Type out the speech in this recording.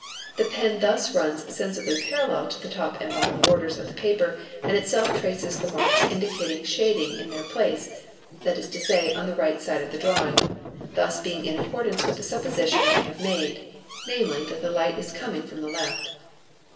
The pen thus runs | sensibly parallel to the top and bottom borders of the paper and itself traces the marks indicating shading in their place, that is to say on the right side of the drawing, this being in accordance with the supposition we have made, namely, that the light is coming from the left.